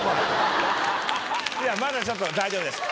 いやまだちょっと大丈夫です。